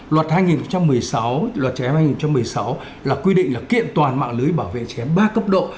luật hai nghìn một mươi sáu là quy định kiện toàn mạng lưới bảo vệ trẻ em ba cấp độ